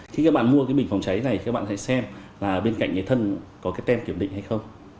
khi các bạn mua cái bình phòng cháy này các bạn hãy xem là bên cạnh cái thân có cái tem kiểm định hay không